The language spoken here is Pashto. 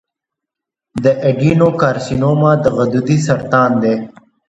د ایڈینوکارسینوما د غدودي سرطان دی.